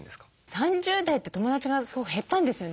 ３０代って友だちがすごく減ったんですよね。